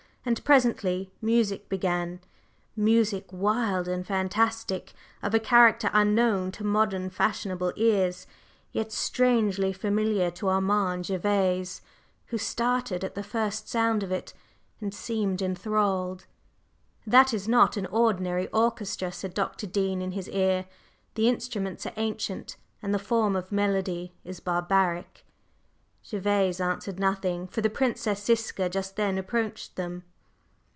And presently music began, music wild and fantastic, of a character unknown to modern fashionable ears, yet strangely familiar to Armand Gervase, who started at the first sound of it, and seemed enthralled. "That is not an ordinary orchestra," said Dr. Dean in his ear. "The instruments are ancient, and the form of melody is barbaric." Gervase answered nothing, for the Princess Ziska just then approached them.